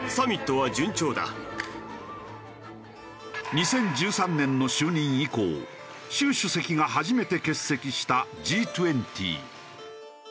２０１３年の就任以降習主席が初めて欠席したＧ２０。